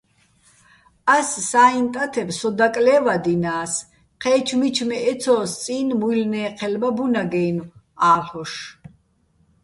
ას საჲჼ ტათებ სო დაკლე́ვადინა́ს, ჴე́ჩო̆ მიჩმე ეცო́ს წი́ნ მუჲლნე́ჴელბა ბუნაგ-აჲნო̆ ა́ლ'ოშ.